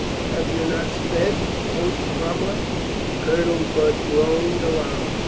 Have you not sped?" quoth Cromwell. Colonel Budd groaned aloud.